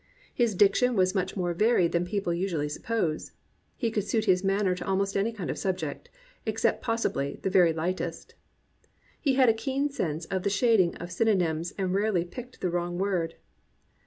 His diction was much more varied than people usually suppose. He could suit his manner to al most any kind of subject, except possibly the very lightest. He had a keen sense of the shading of synonyms and rarely picked the wrong word.